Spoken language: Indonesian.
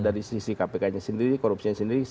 dari sisi kpknya sendiri korupsinya sendiri